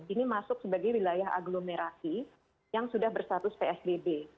ini masuk sebagai wilayah agglomerasi yang sudah bersatus psbb